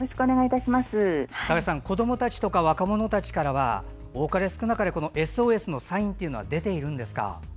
高橋さん、子どもたちとか若者たちからは多かれ少なかれＳＯＳのサインは出ているんですか。